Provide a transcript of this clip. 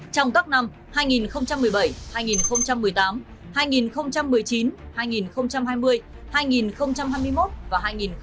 trong các năm hai nghìn một mươi bảy hai nghìn một mươi tám hai nghìn một mươi chín hai nghìn hai mươi hai nghìn hai mươi một và hai nghìn hai mươi